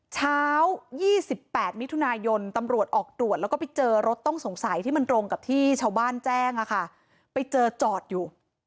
เช้า๒๘มิถุนายนตำรวจออกตรวจแล้วก็ไปเจอรถต้องสงสัยที่มันตรงกับที่ชาวบ้านแจ้งไปเจอจอดอยู่